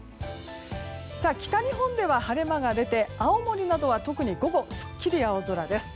北日本では晴れ間が出て青森などは特に午後、すっきり青空です。